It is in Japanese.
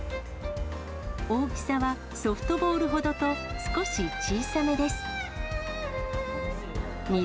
大きさはソフトボールほどと、少し小さめです。